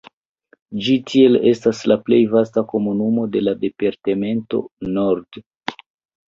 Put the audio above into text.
Ĝi tiel estas la plej vasta komunumo de la departemento Nord.